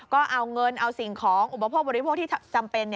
ก็เอาเงินเอาสิ่งของอุปโภคบริโภคที่จำเป็น